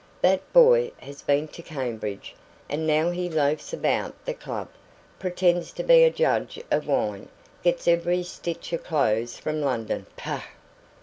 That boy has been to Cambridge, and now he loafs about the club, pretends to be a judge of wine, gets every stitch of clothes from London pah!"